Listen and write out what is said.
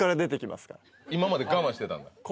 今まで我慢してたんだ？